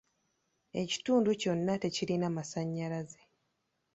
Ekitundu kyonna tekirina masannyalaze.